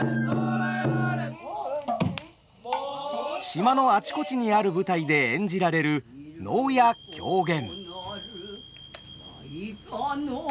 島のあちこちにある舞台で演じられる能や狂言。